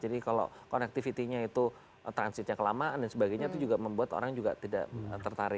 jadi kalau connectivity nya itu transitnya kelamaan dan sebagainya itu juga membuat orang juga tidak tertarik